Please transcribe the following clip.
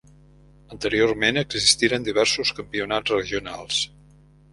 Anteriorment existiren diversos campionats regionals.